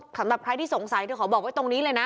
สำหรับใครที่สงสัยเธอขอบอกไว้ตรงนี้เลยนะ